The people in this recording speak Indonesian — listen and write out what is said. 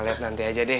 ya liat nanti aja deh